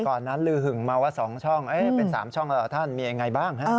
ก่อนนั้นลือหึงมาว่า๒ช่องเป็น๓ช่องแล้วเหรอท่านมียังไงบ้าง